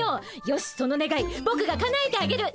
よしそのねがいぼくがかなえてあげる。